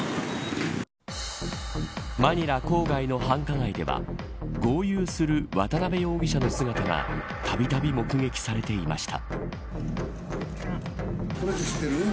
マニラ郊外の繁華街では豪遊する渡辺容疑者の姿がたびたび目撃されていました。